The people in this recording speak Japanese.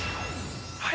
はい。